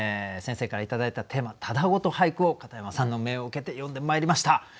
先生から頂いたテーマただごと俳句を片山さんの命を受けて詠んでまいりました。